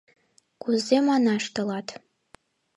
Кузе манаш тылат...